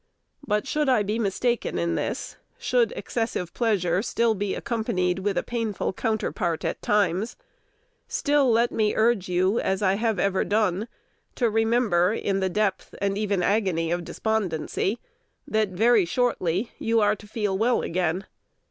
But, should I be mistaken in this, should excessive pleasure still be accompanied with a painful counterpart at times, still let me urge you, as I have ever done, to remember, in the depth and even agony of despondency, that very shortly you are to feel well again.